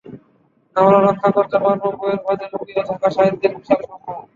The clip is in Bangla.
আমরা রক্ষা করতে পারব বইয়ের ভাঁজে লুকিয়ে থাকা সাহিত্যের বিশাল সম্ভার।